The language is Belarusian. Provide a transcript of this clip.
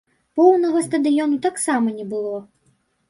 Поўнага стадыёну таксама не было.